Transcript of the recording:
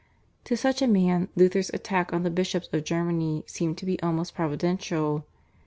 To such a man Luther's attack on the bishops of Germany seemed to be almost providential.